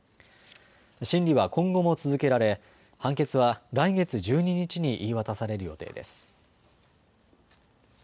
審理は今後も続けられ判決は来月１２日に言い渡される予定です。